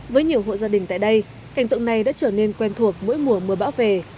với nhiều hộ gia đình tại đây cảnh tượng này đã trở nên quen thuộc mỗi mùa mưa bão về